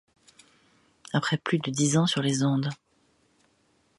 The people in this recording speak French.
Après plus de dix ans sur les ondes.